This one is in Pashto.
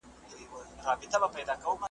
قربانۍ ته ساده ګان له حده تېر وي .